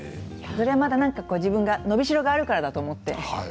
それはまだ自分が伸びしろがあるからだと思って。